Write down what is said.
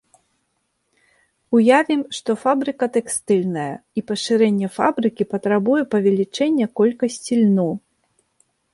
Уявім, што фабрыка тэкстыльная, і пашырэнне фабрыкі патрабуе павелічэння колькасці льну.